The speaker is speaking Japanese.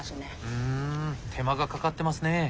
ふん手間がかかってますね。